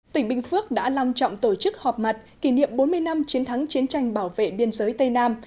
tỉnh bình phước đã lòng trọng tổ chức họp mặt kỷ niệm bốn mươi năm chiến thắng chiến tranh bảo vệ biên giới tây nam